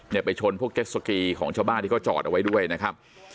เนี่ยไปชนพวกเจ็บสกีของชบ้าที่ก็จอดเอาไว้ด้วยนะครับ